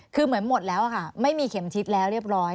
คือเหมือนหมดแล้วค่ะไม่มีเข็มทิศแล้วเรียบร้อย